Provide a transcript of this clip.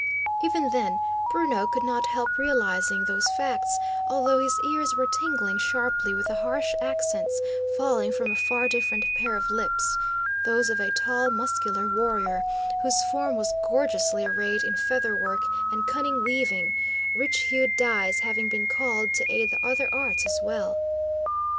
Even then Bruno could not help realising those facts, although his ears were tingling sharply with the harsh accents falling from a far different pair of lips, those of a tall, muscular warrior whose form was gorgeously arrayed in featherwork and cunning weaving, rich hued dyes having been called to aid the other arts as well.